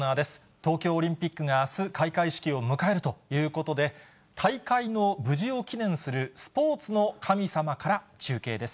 東京オリンピックがあす開会式を迎えるということで、大会の無事を祈念するスポーツの神様から中継です。